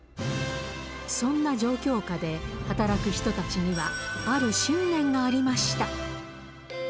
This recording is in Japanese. そんな状況下で働く人たちには、ある信念がありました。